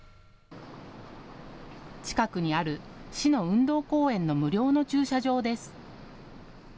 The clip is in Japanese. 近くにある市の運動公園の無料の駐車場です。